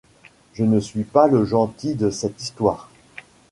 je ne suis pas le gentil de cette histoire.